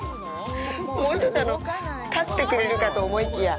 もうちょっと立ってくれるかと思いきや。